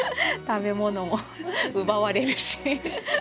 食べ物も奪われるし。